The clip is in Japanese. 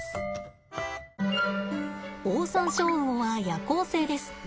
オオサンショウウオは夜行性です。